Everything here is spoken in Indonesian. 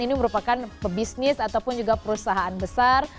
ini merupakan pebisnis ataupun juga perusahaan besar